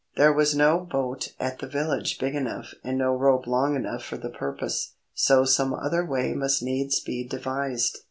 There was no boat at the village big enough and no rope long enough for the purpose, so some other way must needs be devised.